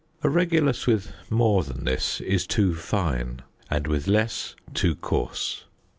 A regulus with more than this is "too fine," and with less "too coarse."